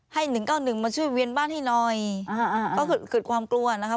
ให้๑๙๑มาช่วยเวียนบ้านให้หน่อยก็เกิดความกลัวนะครับ